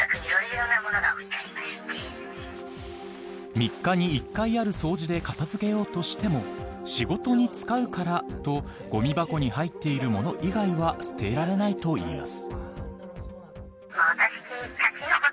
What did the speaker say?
３日に１回ある掃除で片付けようとしても仕事に使うから、とごみ箱に入っているもの以外は捨てられないといいます。